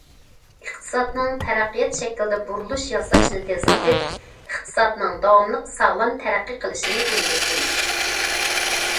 ئىقتىسادنىڭ تەرەققىيات شەكلىدە بۇرۇلۇش ياساشنى تېزلىتىپ، ئىقتىسادنىڭ داۋاملىق ساغلام تەرەققىي قىلىشنى ئىلگىرى سۈرۈش.